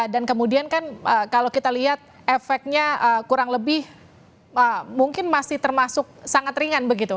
kemudian kan kalau kita lihat efeknya kurang lebih mungkin masih termasuk sangat ringan begitu